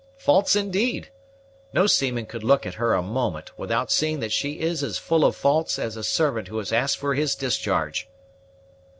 Faults indeed! No seaman could look at her a moment without seeing that she is as full of faults as a servant who has asked for his discharge."